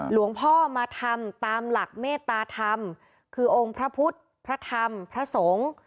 หลวงพ่อมาทำตามหลักเมตตาธรรมคือองค์พระพุทธพระธรรมพระสงฆ์